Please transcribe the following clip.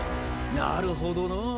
なるほどのぉ。